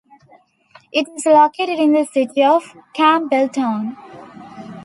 It is located in the City of Campbelltown.